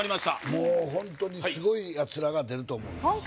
もうホントにすごいヤツらが出ると思うんです